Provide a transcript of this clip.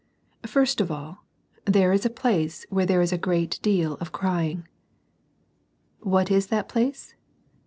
I. First of all, there is a place where THERE IS A GREAT DEAL OF CRYING. What is that place